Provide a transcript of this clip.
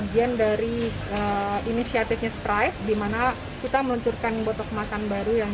ini adalah suatu proyek di mana kita ingin mengajak masyarakat